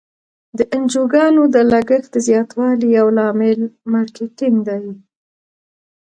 د انجوګانو د لګښت د زیاتوالي یو لامل مارکیټینګ دی.